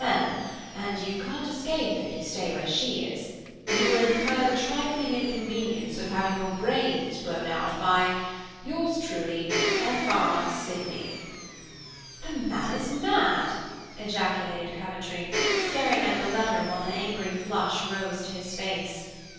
M. (and you can't escape if you stay where she is), you will incur the trifling inconvenience of having your brains blown out by Yours truly, F.R. Sydney "The man is mad!" ejaculated Coventry, staring at the letter while an angry flush rose to his face.